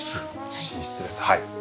寝室ですはい。